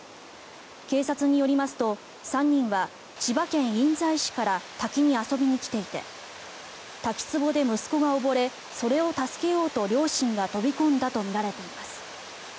警察によりますと３人は千葉県印西市から滝に遊びに来ていて滝つぼで息子が溺れそれを助けようと両親が飛び込んだとみられています。